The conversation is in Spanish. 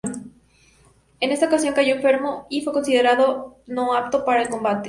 En esa ocasión cayó enfermo, y fue considerado no apto para el combate.